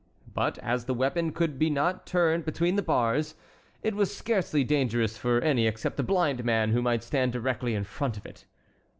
But as the weapon could not be turned between the bars, it was scarcely dangerous for any except a blind man, who might stand directly in front of it.